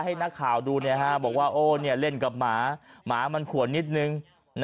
ให้นักข่าวดูบอกว่าโอ้เล่นกับหมาหมามันขวนนิดนึง